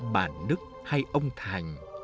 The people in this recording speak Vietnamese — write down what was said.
bà đức hay ông thành